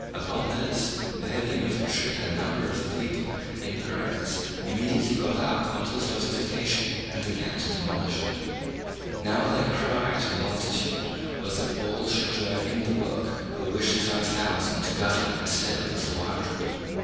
Upon this the heavy infantry and a number of the people in Piraeus immediately got up on the fortification and began to demolish it. Now their cry to the multitude was that all should join in the work who wished the Five Thousand to govern instead of the Four Hundred.